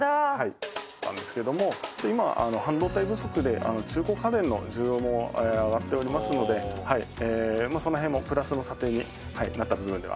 「なんですけども今は半導体不足で中古家電の需要も上がっておりますのでその辺もプラスの査定になった部分ではあります」